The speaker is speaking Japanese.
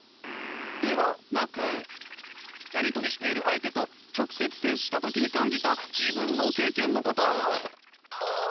ではなくやり取りしている相手と直接接した時に感じた自分の経験のこと！